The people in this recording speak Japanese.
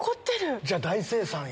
じゃあ、大精算や。